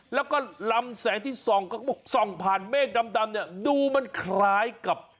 แล้วก็ลำแสงที่ส่องผ่านเมฆดำเนี่ยดูมันคล้ายกับ